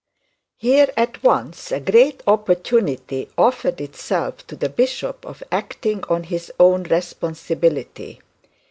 Here at once a great opportunity offered itself to the bishop of acting on his own responsibility.